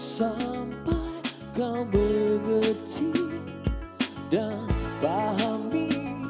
sampai kau mengerti dan pahami